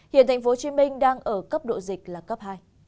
hiện tp hcm đang ở cấp độ dịch là cấp hai